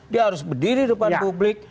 dia harus berdiri di depan publik